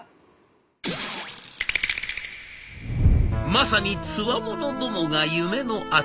まさにつわものどもが夢の跡。